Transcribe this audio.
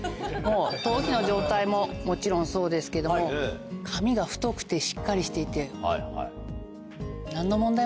頭皮の状態ももちろんそうですけども髪が太くてしっかりしていて何の。